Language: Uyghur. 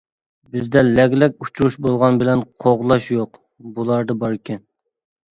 بىزدە لەگلەك ئۇچۇرۇش بولغان بىلەن قوغلاش يوق، بۇلاردا باركەن.